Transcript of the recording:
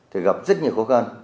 thì gặp rất nhiều khó khăn